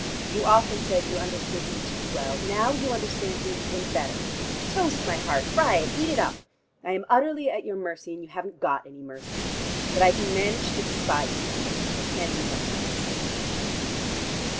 You often said you understood me too well. Now you understand me even better. Toast my heart, fry it, eat it up! I am utterly at your mercy, and you haven't got any mercy. But I can manage to despise you: I can't do much else."